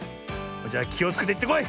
じゃあきをつけていってこい！